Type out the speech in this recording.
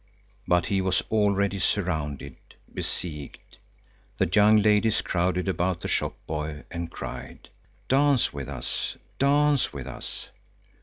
But he was already surrounded, besieged. The young ladies crowded about the shop boy and cried: "Dance with us; dance with us!"